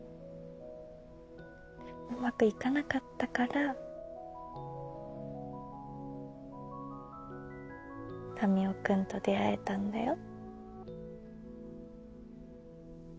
うまくいかなかったから民生君と出会えたんだよ。